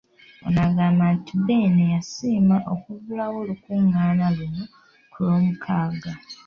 Ono agamba nti Beene yasiima okuggulawo olukung’aana luno ku Lwomukaaga .